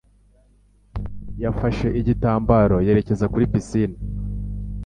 yafashe igitambaro yerekeza kuri pisine.